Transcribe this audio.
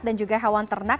dan juga hewan ternak